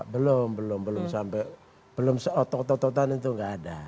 belum belum belum belum seototan itu gak ada